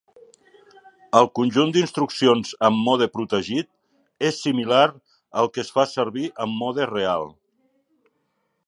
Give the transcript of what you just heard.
El conjunt d'instruccions en mode protegit és similar al que es fa servir en mode real.